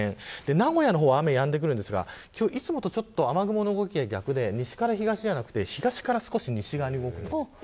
名古屋の方は雨やんできますがいつもと雨雲の動きが逆で西から東ではなくて東から西側に動く。